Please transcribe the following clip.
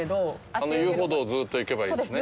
あの遊歩道をずうっと行けばいいんですね？